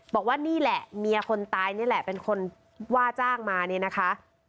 บอกว่านี่แหละเมียคนตายนี่แหละเป็นคนว่าจ้างมาเนี่ยนะคะ